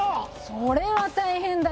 それは大変だ。